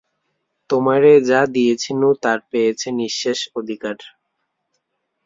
তোমারে যা দিয়েছিনু তার পেয়েছ নিঃশেষ অধিকার।